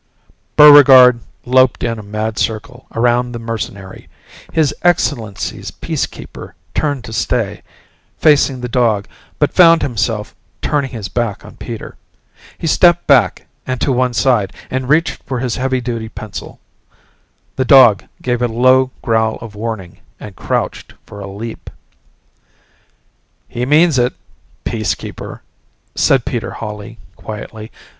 Buregarde loped in a mad circle around the mercenary. His Excellency's Peacekeeper turned to stay facing the dog but found himself turning his back on Peter. He stepped back and to one side and reached for his heavy duty pencil the dog gave a low growl of warning and crouched for a leap. "He means it Peacekeeper," said Peter Hawley quietly.